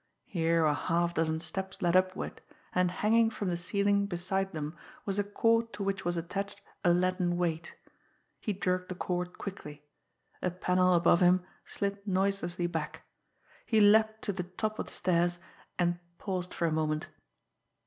Here a half dozen steps led upward, and hanging from the ceiling beside them was a cord to which was attached a leaden weight. He jerked the cord quickly. A panel above him slid noiselessly back. He leaped to the top of the stairs, and paused for a moment.